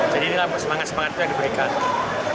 jadi ini adalah semangat semangat yang diberikan